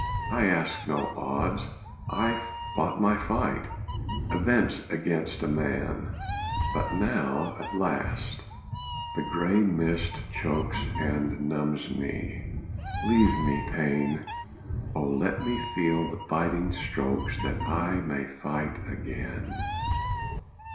I asked no odds I fought my fight Events against a man. But now at last the gray mist chokes And numbs me. _Leave me pain! Oh let me feel the biting strokes That I may fight again!